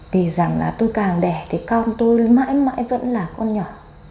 vì rằng là tôi càng đẻ thì con tôi mãi mãi vẫn là con nhỏ